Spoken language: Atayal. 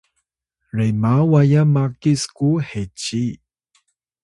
rema wayan maki sku heci